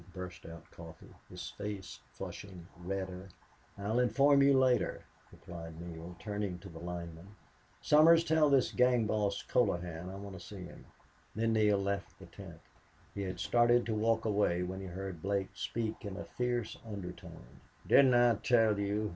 burst out Coffee, his face flushing redder. "I'll inform you later," replied Neale, turning to the lineman. "Somers, tell this gang boss, Colohan, I want him." Neale left the tent. He had started to walk away when he heard Blake speak up in a fierce undertone. "Didn't I tell you?